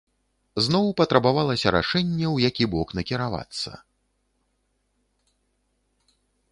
Зноў патрабавалася рашэнне, у які бок накіравацца.